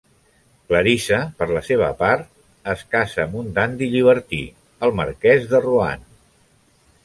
Clarissa, per la seva part, es casa amb un dandi llibertí, el marquès de Rohan.